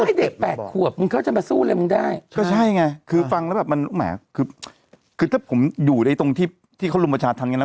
ไม่เด็กแปดขวบมึงเขาจะมาสู้เลยมึงได้ก็ใช่ไงคือฟังแล้วแบบมันคือถ้าผมอยู่ในตรงที่เขารุมประชาธิธรรมนี้นะ